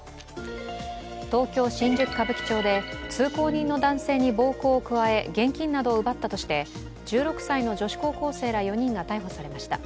東京・新宿歌舞伎町で通行人の男性に暴行を加え現金などを奪ったとして１６歳の女子高校生ら４人が逮捕されました。